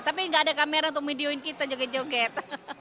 tapi nggak ada kamera untuk videoin kita joget joget